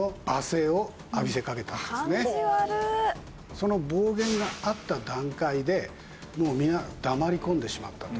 その暴言があった段階でもう皆黙り込んでしまったと。